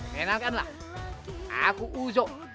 menangkan lah aku uzo